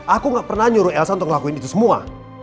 aku gak pernah nyuruh elsa untuk ngelakuin itu semua